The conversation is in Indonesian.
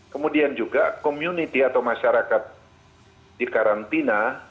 kemudian juga community atau masyarakat dikarantina